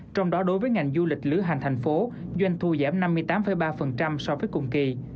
trong đó đối với ngành du lịch lửa hành thành phố doanh thu giảm năm mươi tám ba so với cùng kỳ